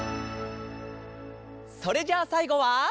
それじゃあさいごは。